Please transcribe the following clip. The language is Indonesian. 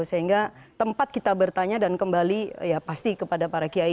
sehingga tempat kita bertanya dan kembali ya pasti kepada para kiai